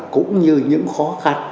cũng như những khó khăn